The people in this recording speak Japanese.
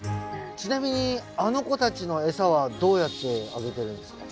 ちなみにあの子たちのエサはどうやってあげてるんですか？